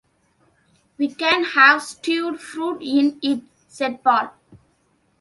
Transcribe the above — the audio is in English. “We can have stewed fruit in it,” said Paul.